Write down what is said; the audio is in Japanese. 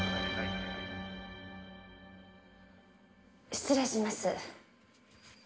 失礼します。